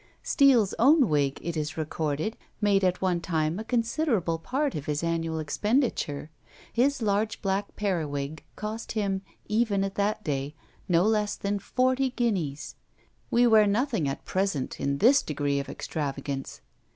Steele's own wig, it is recorded, made at one time a considerable part of his annual expenditure. His large black periwig cost him, even at that day, no less than forty guineas! We wear nothing at present in this degree of extravagance.